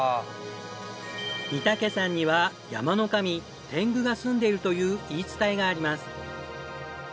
御岳山には山の神天狗がすんでいるという言い伝えがあります。